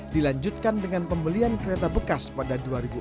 dilanjutkan dengan pembelian kereta bekas pada dua ribu empat belas